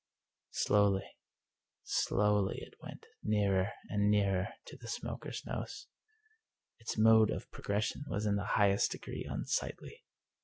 Slowly, slowly, it went, nearer and nearer to the smoker's nose. Its mode of progression was in the highest degree unsightly.